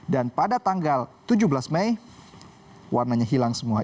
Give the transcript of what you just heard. dan pada tanggal tujuh belas mei warnanya hilang semua